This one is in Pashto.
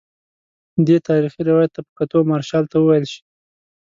دې تاریخي روایت ته په کتو مارشال ته وویل شي.